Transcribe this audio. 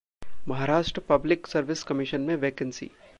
Maharashtra public service commission में vacancy